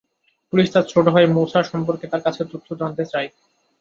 Police তাঁর ছোট ভাই মুছা সম্পর্কে তাঁর কাছে তথ্য জানতে চায়।